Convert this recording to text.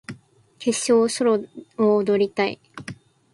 決勝でソロを踊りたい